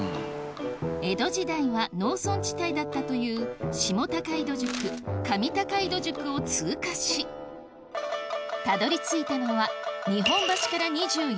江戸時代は農村地帯だったという下高井戸宿上高井戸宿を通過したどり着いたのは日本橋から２４ｋｍ